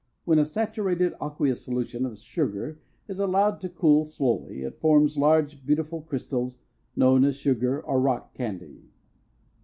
When a saturated aqueous solution of sugar is allowed to cool slowly it forms large, beautiful crystals known as sugar or rock candy.